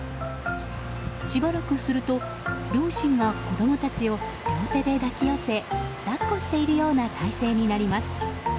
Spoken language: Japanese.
しばらくすると両親が子供たちを両手で抱き寄せ抱っこしているような体勢になります。